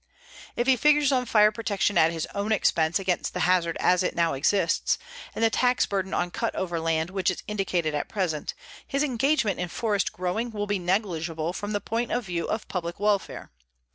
If he figures on fire protection at his own expense against the hazard as it now exists, and the tax burden on cut over land which is indicated at present, his engagement in forest growing will be negligible from the point of view of public welfare.